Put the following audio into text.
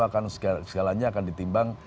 akan segalanya akan ditimbang